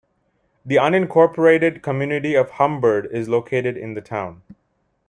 The unincorporated community of Humbird is located in the town.